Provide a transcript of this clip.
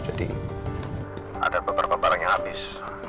jadi ada beberapa barang yang habis